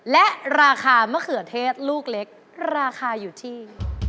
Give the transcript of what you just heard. และราคามะเขือเทศลูกเล็กราคาอยู่ที่